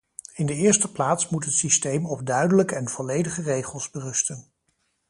In de eerste plaats moet het systeem op duidelijke en volledige regels berusten.